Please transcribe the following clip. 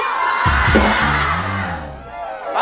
พี่หอยคิดถึงอัปเดตมากเลยนะพี่หอยบอก